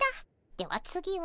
では次は。